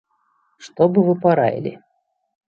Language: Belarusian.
Што б вы параілі?